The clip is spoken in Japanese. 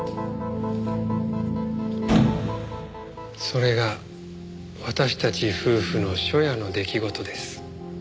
それが私たち夫婦の初夜の出来事です。